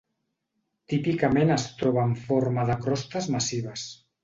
Típicament es troba en forma de crostes massives.